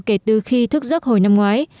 kể từ khi thức giấc hồi năm ngoái